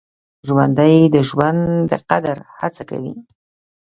ژوندي د ژوند د قدر هڅه کوي